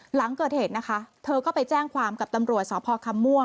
หลังเกิดเหตุนะคะเธอก็ไปแจ้งความกับตำรวจสพคำม่วง